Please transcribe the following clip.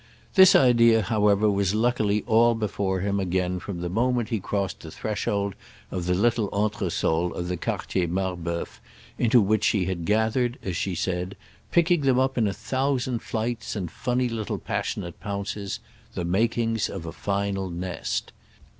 This idea however was luckily all before him again from the moment he crossed the threshold of the little entresol of the Quartier Marbœuf into which she had gathered, as she said, picking them up in a thousand flights and funny little passionate pounces, the makings of a final nest.